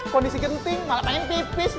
kondisi genting malah pengen pipis